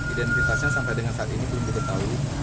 identitasnya sampai dengan saat ini belum diketahui